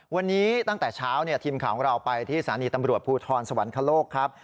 วันนี้ตั้งแต่เช้าทีมข่าวของเราไปที่สถานีตำรวจภูทรสวรรคโลกครับ